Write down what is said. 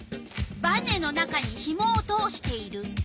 バネの中にひもを通している。